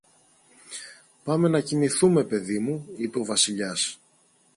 Πάμε να κοιμηθούμε, παιδί μου, είπε ο Βασιλιάς.